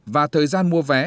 và thời gian mua vé